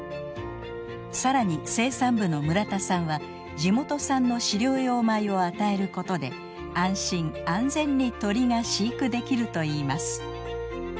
更に生産部の村田さんは地元産の飼料用米を与えることで安心安全に鶏が飼育できるといいます。